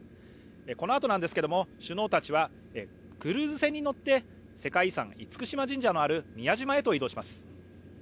このあとですが、首脳たちはクルーズ船に乗って世界遺産、厳島神社のある宮島へと移動します。